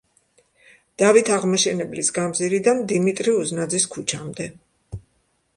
დავით აღმაშენებლის გამზირიდან დიმიტრი უზნაძის ქუჩამდე.